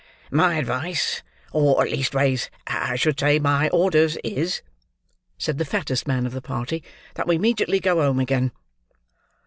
"My advice, or, leastways, I should say, my orders, is," said the fattest man of the party, "that we 'mediately go home again."